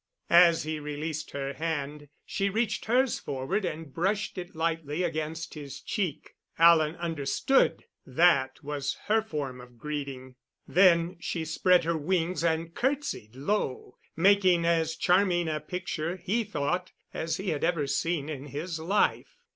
As he released her hand she reached hers forward and brushed it lightly against his cheek. Alan understood that was her form of greeting. Then she spread her wings and curtsied low making as charming a picture, he thought, as he had ever seen in his life.